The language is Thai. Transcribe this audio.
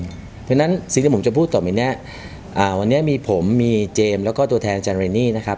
เพราะฉะนั้นสิ่งที่ผมจะพูดต่อไปเนี่ยวันนี้มีผมมีเจมส์แล้วก็ตัวแทนอาจารย์เรนนี่นะครับ